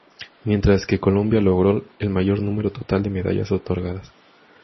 Mientras que Colombia logró el mayor número total de medallas otorgadas.